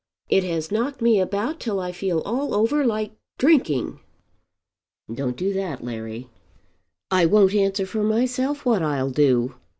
It has knocked me about till I feel all over like drinking." "Don't do that, Larry." "I won't answer for myself what I'll do.